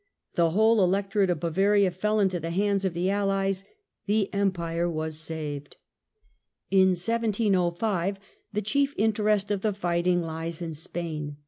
The whole electorate of Bavaria fell into the hands of the Allies. The empire'was saved. In 1705 the chief interest of the fighting lies in Spain.